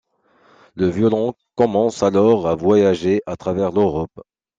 Le violon commence alors à voyager à travers l'Europe.